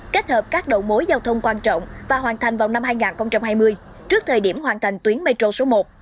kết hợp các đầu mối giao thông quan trọng và hoàn thành vào năm hai nghìn hai mươi trước thời điểm hoàn thành tuyến metro số một